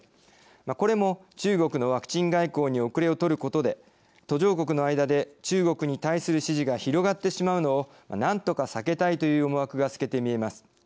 これも中国のワクチン外交に後れを取ることで途上国の間で中国に対する支持が広がってしまうのをなんとか避けたいという思惑が透けて見えます。